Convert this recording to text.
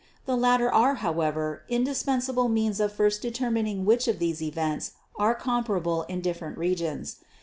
The latter are, however, indispensable means of first determining which of these events are comparable in different regions.